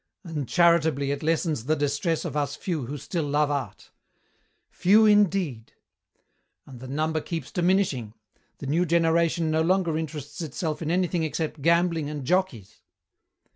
"And, charitably, it lessens the distress of us few who still love art." "Few indeed!" "And the number keeps diminishing. The new generation no longer interests itself in anything except gambling and jockeys."